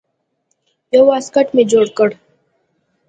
يو واسکټ مې جوړ کړ.